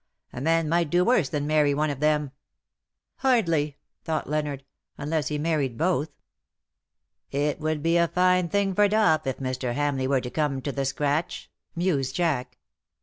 A man might do worse than marry one of them/' ^^ Hardly !" thought Leonard, " unless he married both/' " It would be a fine thing for Dop if Mr. Hamleigh were to come to the scratch/' mused Jack.